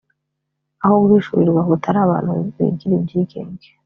aho guhishurirwa kutari abantu bigira ibyigenge,